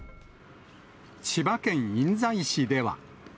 千葉県印西市では。